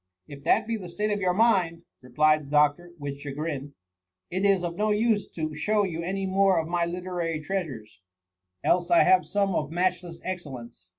'*'* If that be the state of your mind, replied the doctor, with chagrin, *' it is of no use to show you any more of my literary treasures ; else I have some of matchless excellence.